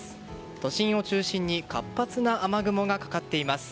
都心を中心に活発な雨雲がかかっています。